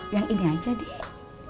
yang ini aja dek